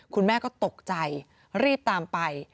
คุณแม่ก็ตกใจรีบตามไป